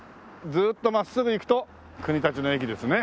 ずーっと真っすぐ行くと国立の駅ですね。